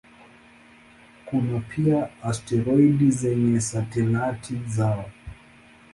Kuna pia asteroidi zenye satelaiti zao.